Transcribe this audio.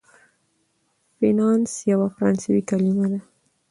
فینانس یوه فرانسوي کلمه ده.